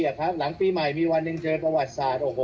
หลังปีใหม่มีวันหนึ่งเจอประวัติศาสตร์